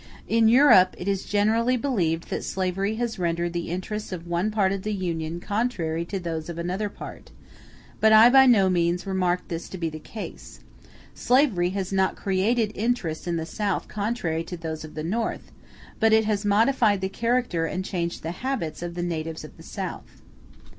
In Europe it is generally believed that slavery has rendered the interests of one part of the Union contrary to those of another part; but I by no means remarked this to be the case: slavery has not created interests in the South contrary to those of the North, but it has modified the character and changed the habits of the natives of the South.